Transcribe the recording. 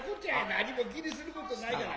何も気にすることないがな。